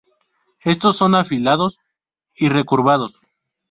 Estos son afilados y recurvados.